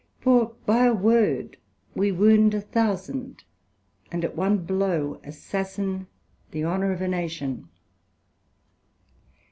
For by a word we wound a thousand, and at one blow assassine the honour of a Nation.